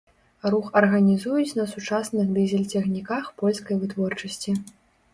Рух арганізуюць на сучасных дызель-цягніках польскай вытворчасці.